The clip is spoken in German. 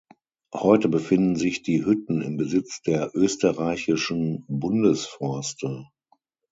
Heute befinden sich die Hütten im Besitz der Österreichischen Bundesforste.